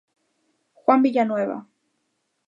Juan Villanueva.